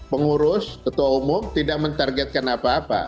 pengurus ketua umum tidak mentargetkan apa apa